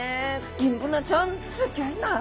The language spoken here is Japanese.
ギンブナちゃんすギョいなあ。